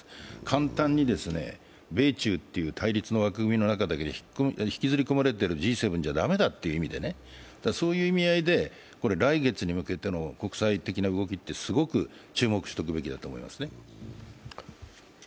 簡単に米中という対立の枠組みだけに引きずり込まれてるＧ７じゃ駄目だっていうんでね、そういう意味合いで来月に向けての国際的な動きをすごく注目しておくべきだと思いますね。